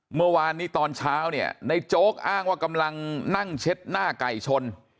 เมื่อวานนี้ตอนเช้าเนี่ยในโจ๊กอ้างว่ากำลังนั่งเช็ดหน้าไก่ชน